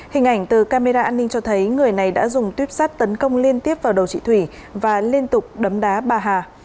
hình ảnh từ camera an ninh cho thấy người này đã dùng tuyếp sát tấn công liên tiếp vào đầu chị thủy và liên tục đấm đá bà hà